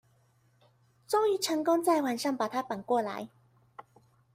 終於成功在晚上把他綁過來